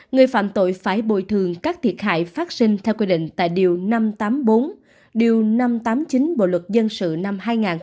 người phạm tội phải bồi thường các thiệt hại phát sinh theo quy định tại điều năm trăm tám mươi bốn điều năm trăm tám mươi chín bộ luật dân sự năm hai nghìn một mươi năm